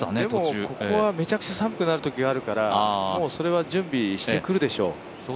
でもここはめちゃくちゃ寒くなるときがあるからそれは準備してくるでしょう。